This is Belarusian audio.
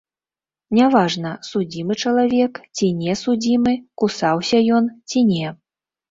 Не важна, судзімы чалавек, ці не судзімы, кусаўся ён ці не.